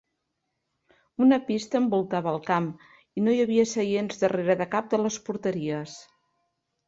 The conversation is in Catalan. Una pista envoltava el camp i no hi havia seients darrere de cap de les porteries.